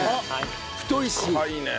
太いし。